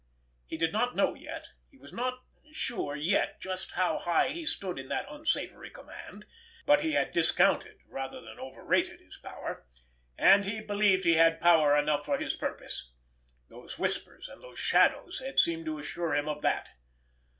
He did not know yet, he was not sure yet just how high he stood in that unsavory command, but he had discounted rather than overrated his power, and he believed he had power enough for his purpose—those whispers and those shadows had seemed to assure him of that.